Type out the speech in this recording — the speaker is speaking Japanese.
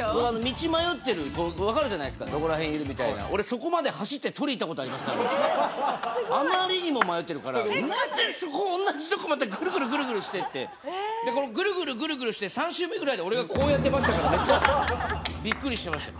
道迷ってる分かるじゃないですかどこら辺いるみたいな俺すごいあまりにも迷ってるから何でそこ同じとこまたぐるぐるぐるぐるしてってでぐるぐるぐるぐるして３周目ぐらいで俺がこうやってましたからめっちゃビックリしてましたよ